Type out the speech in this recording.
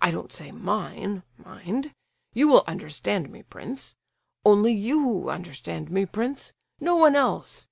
I don't say mine, mind—you will understand me, prince. Only you understand me, prince—no one else.